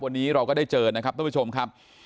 วันนี้เราก็ได้เจอนะครับทุกผู้ชมครับ